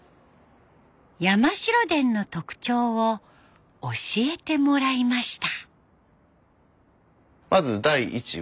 山城伝の特徴を教えてもらいました。